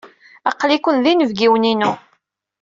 Aql-iken d inebgiwen-inu.